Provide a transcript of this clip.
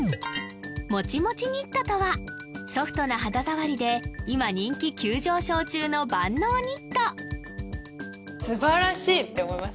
もちもちニットとはソフトな肌触りで今人気急上昇中の万能ニットすばらしいって思います